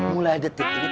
mulai detik ini